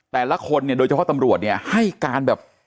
แต่ละคนโดยเฉพาะตำรวจให้การแบบ